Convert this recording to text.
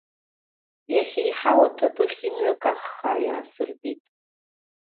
Иахьеиҳау аҭыԥ ахь имҩа каххаа иаасыртит.